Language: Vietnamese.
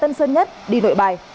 tân sơn nhất đi nội bài